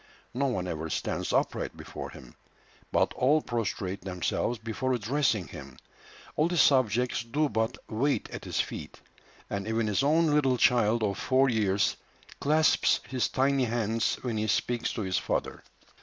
No one ever stands upright before him, but all prostrate themselves before addressing him. All his subjects do but "wait at his feet," and even his own little child of four years clasps his tiny hands when he speaks to his father.